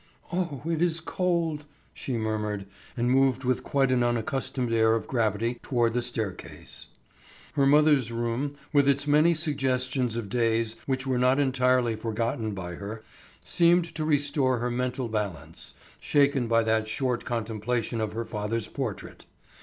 "Oh, it is cold," she murmured, and moved with quite an unaccustomed air of gravity toward the staircase. Her mother's room, with its many suggestions of days which were not entirely forgotten by her, seemed to restore her mental balance, shaken by that short contemplation of her father's portrait.